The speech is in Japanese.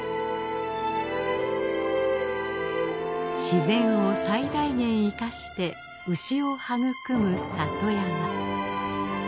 自然を最大限いかして牛を育む里山。